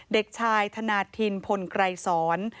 เด็กชายธนาธินพลไกรสอน